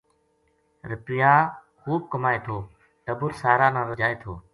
رُپیا خوب کمائے تھو ٹَبر سارا نا رجائے تھو